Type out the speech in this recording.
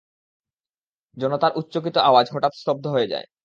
জনতার উচ্চকিত আওয়াজ হঠাৎ স্তব্ধ হয়ে যায়।